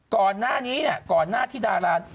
ก่อนหน้านี้เนี่ยก่อนหน้าที่ดารา